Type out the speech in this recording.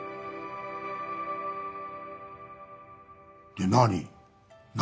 で何？